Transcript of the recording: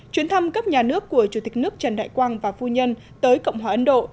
chuyến thăm cấp nhà nước của chủ tịch nước trần đại quang và phu nhân tới cộng hòa ấn độ